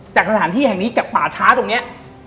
สถานที่แห่งนี้กับป่าช้าตรงนี้